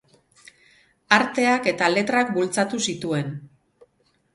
Arteak eta letrak bultzatu zituen.